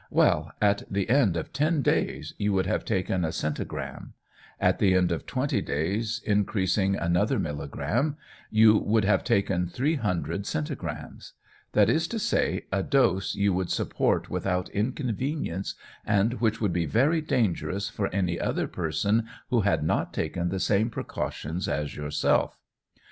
Well, at the end of ten days you would have taken a centigramme: at the end of twenty days, increasing another millegramme, you would have taken three hundred centigrammes; that is to say, a dose you would support without inconvenience, and which would be very dangerous for any other person who had not taken the same precautions as yourself.